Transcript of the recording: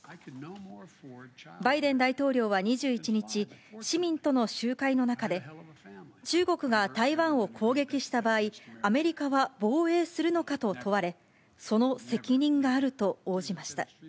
バイデン大統領は２１日、市民との集会の中で、中国が台湾を攻撃した場合、アメリカは防衛するのかと問われ、その責任があると応じました。